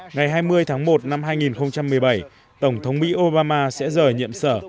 ngày hai mươi tháng một năm hai nghìn một mươi bảy tổng thống mỹ obama sẽ rời nhiệm sở